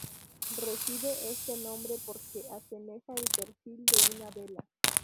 Recibe este nombre porque asemeja el perfil de una vela.